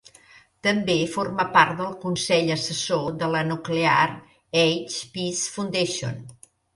També forma part del Consell Assessor de la Nuclear Age Peace Foundation.